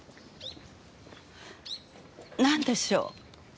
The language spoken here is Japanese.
なんでしょう？